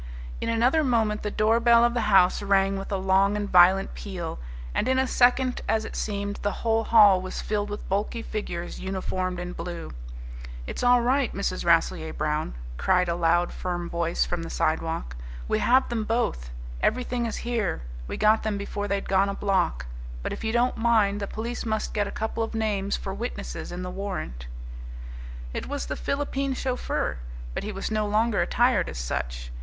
In another moment the doorbell of the house rang with a long and violent peal, and in a second as it seemed, the whole hall was filled with bulky figures uniformed in blue. "It's all right, Mrs. Rasselyer Brown," cried a loud, firm voice from the sidewalk. "We have them both. Everything is here. We got them before they'd gone a block. But if you don't mind, the police must get a couple of names for witnesses in the warrant." It was the Philippine chauffeur. But he was no longer attired as such.